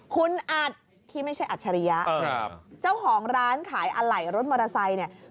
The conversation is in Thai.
คุณอัดที่ไม่ใช่อัจฉริยะครับเจ้าของร้านขายอะไหล่รถมอเตอร์ไซค์เนี่ย